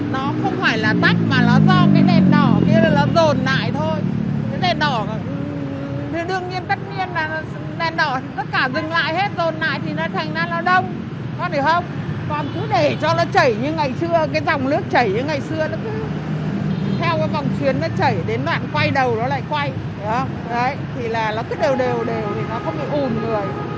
đấy thì là nó cứ đều đều đều thì nó không bị ụn người